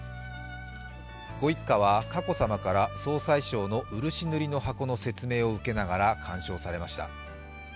ご一家は佳子さまから総裁賞の漆塗りの箱の説明を受けながら鑑賞されました